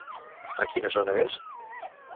A quina zona és?